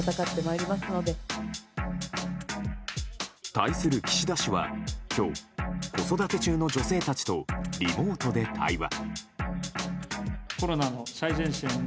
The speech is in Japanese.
対する岸田氏は今日、子育て中の女性たちとリモートで対話。